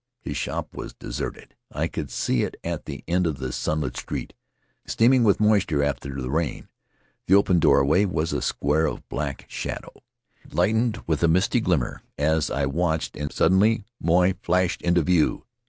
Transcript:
His shop was deserted. I could see it at the end of the sunlit street, steaming with moisture after the rain. The open doorway was a square of black shadow. It lightened with a misty glimmer as I watched, and suddenly Moy flashed into view.